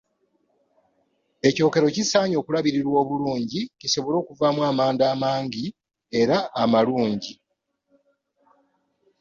Ekyokero kisaanye okulabirirwa obulungi kisobole okuvaamu amanda amangi era amalungi.